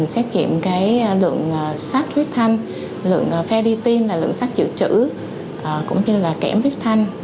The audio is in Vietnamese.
xét nghiệm lượng sắc huyết thanh lượng ferritin là lượng sắc dự trữ cũng như là kẻm huyết thanh